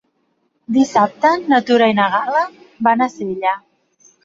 Dissabte na Tura i na Gal·la van a Sella.